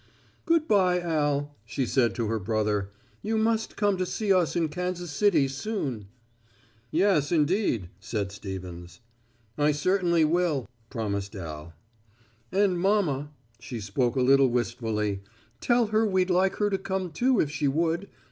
"Good bye, Al," she said to her brother. "You must come to see us in Kansas City soon." "Yes, indeed," said Stevens. "I certainly will," promised Al. "And mama," she spoke a little wistfully, "tell her we'd like her to come too if she would.